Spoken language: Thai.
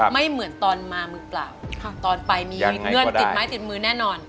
ไม่เหมือนตอนมามือเปล่าตอนไปมีเงินติดไม้ติดมือแน่นอน